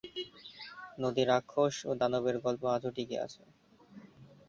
নদীর রাক্ষস ও দানবদের গল্প আজও টিকে আছে।